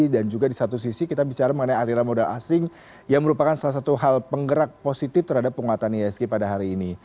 dan juga di satu sisi kita bicara mengenai aliran modal asing yang merupakan salah satu hal penggerak positif terhadap penguatan ysk pada hari ini